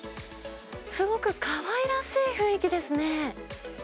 すごくかわいらしい雰囲気ですね。